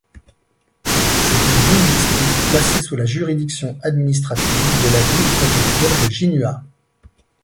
C'est une ville-district placée sous la juridiction administrative de la ville-préfecture de Jinhua.